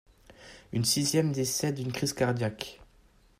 Une sixième décède d'une crise cardiaque.